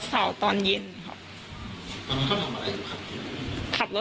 วันเสอนตอนเย็นเข้าทางทำอะไรนะเขาก็ขับกิน